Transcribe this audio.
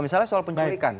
misalnya soal penculikan